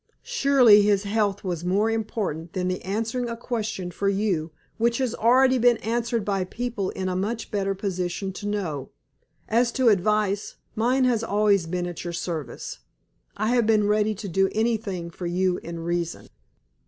"Surely his health was more important than the answering a question for you which has already been answered by people in a much better position to know. As to advice, mine has always been at your service. I have been ready to do anything for you in reason."